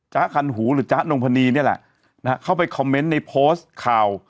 คันหูหรือจ๊ะนงพนีนี่แหละนะฮะเข้าไปคอมเมนต์ในโพสต์ข่าว